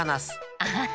アハハ。